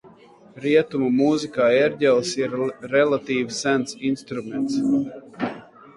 Rietumu mūzikā ērģeles ir relatīvi sens instruments.